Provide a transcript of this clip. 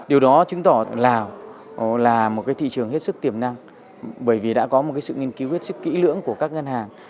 điều đó chứng tỏ lào là một thị trường hết sức tiềm năng bởi vì đã có một sự nghiên cứu hết sức kỹ lưỡng của các ngân hàng